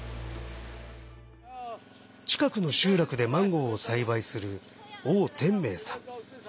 近くの集落でマンゴーを栽培する王天明さん。